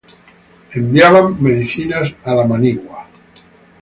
Enviaban medicinas a la manigua.